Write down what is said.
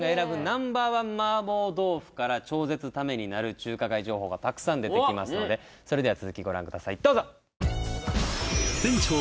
ナンバーワン麻婆豆腐から超絶タメになる中華街情報がたくさん出てきますのでそれでは続きご覧くださいどうぞ！